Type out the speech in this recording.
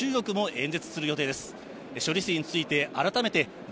総会では中国も演説する予定です。